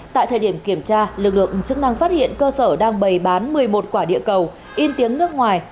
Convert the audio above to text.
tại thời điểm kiểm tra lực lượng chức năng phát hiện cơ sở đang bày bán một mươi một quả địa cầu in tiếng nước ngoài